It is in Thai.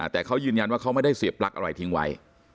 แต่เขายืนยันว่าเขาไม่ได้เสียบปลั๊กอะไรทิ้งไว้